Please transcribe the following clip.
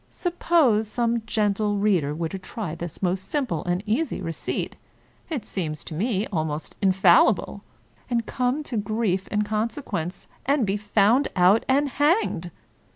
Suppose some gentle reader were to try this most simple and easy receipt — it seems to me almost in fallible — and come to grief in consequence, and be found out and hanged